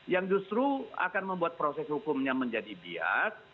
yang justru akan membuat proses hukumnya menjadi bias